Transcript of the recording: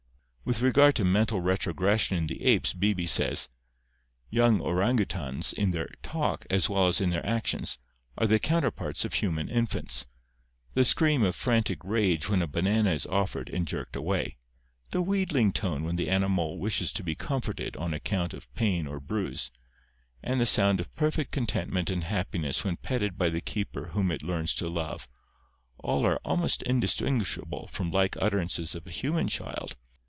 With regard to mental retrogression in the apes Beebe says: "Young orang utans in their 'talk* as well as in their actions, are the counterparts of human infants. The scream of frantic rage when a banana is offered and jerked away, the wheedling tone when the animal wishes to be comforted on account of pain or bruise, and the sound of perfect contentment and happi ness when petted by the keeper whom it learns to love, — all are almost indistinguishable from like utterances of a human child.